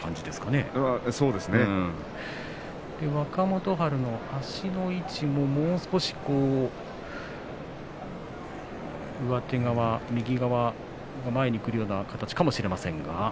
若元春の足の位置ももう少し上手側右側が前にくるような形かもしれませんね。